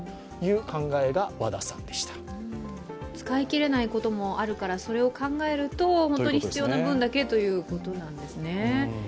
使い切れないこともあるからそれを考えると本当に必要な分だけということなんですね。